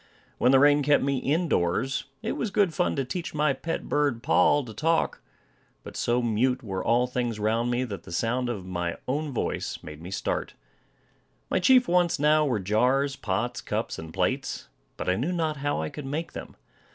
When the rain kept me in doors, it was good fun to teach my pet bird Poll to talk; but so mute were all things round me, that the sound of my own voice made me start. My chief wants now were jars, pots, cups, and plates, but I knew not how I could make them.